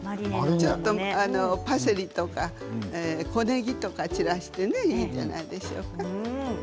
ちょっとパセリとか小ねぎとか散らしていいじゃないでしょうか。